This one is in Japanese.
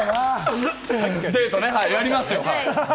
デートですね、やりますよ。